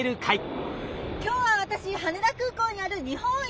今日は私羽田空港にある日本一